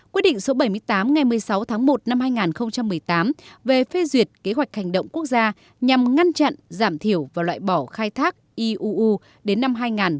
quyết định số bảy mươi tám ngày một mươi sáu tháng một năm hai nghìn một mươi tám về phê duyệt kế hoạch hành động quốc gia nhằm ngăn chặn giảm thiểu và loại bỏ khai thác iuu đến năm hai nghìn hai mươi